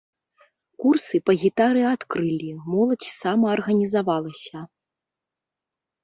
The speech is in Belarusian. Курсы па гітары адкрылі, моладзь самаарганізавалася.